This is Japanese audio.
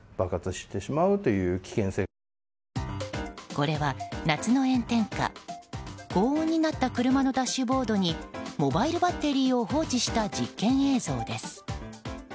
これは、夏の炎天下高温になった車のダッシュボードにモバイルバッテリーを放置した実験映像です。